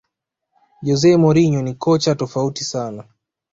jose mourinho ni kocha tofautisana